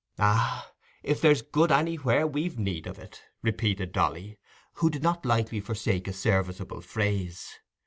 "Ah, if there's good anywhere, we've need of it," repeated Dolly, who did not lightly forsake a serviceable phrase.